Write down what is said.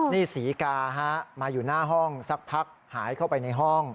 นี่ศรีกาฮะมาอยู่หน้าห้องสักพักหายเข้าไปในห้อง